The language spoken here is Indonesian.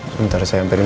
akan sangat mengejutkan